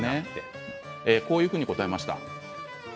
こういうふうに答えました。